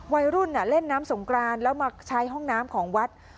วัยรุ่นเล่นน้ำสงกรานแล้วมาใช้ห้องน้ำของวัด